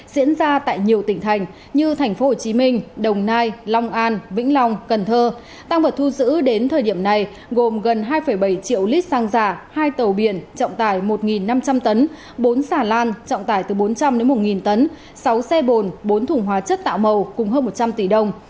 diễn ra tại nhiều tỉnh thành như tp hcm đồng nai long an vĩnh long cần thơ tăng vật thu giữ đến thời điểm này gồm gần hai bảy triệu lít xăng giả hai tàu biển trọng tải một năm trăm linh tấn bốn xà lan trọng tải từ bốn trăm linh một tấn sáu xe bồn bốn thùng hóa chất tạo màu cùng hơn một trăm linh tỷ đồng